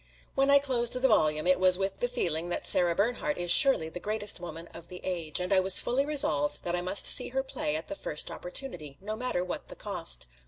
When I closed the volume it was with the feeling that Sara Bernhardt is surely the greatest woman of the age; and I was fully resolved that I must see her play at the first opportunity, no matter what the cost.